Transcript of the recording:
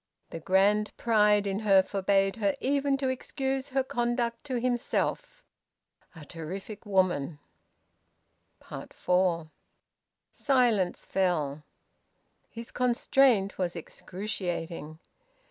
The grand pride in her forbade her even to excuse her conduct to himself. A terrific woman! FOUR. Silence fell. His constraint was excruciating.